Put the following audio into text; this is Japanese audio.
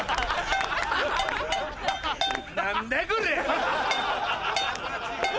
何だこりゃ。